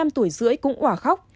bé gái năm tuổi rưỡi cũng quả khóc